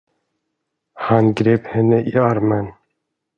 Han grep henne i armen.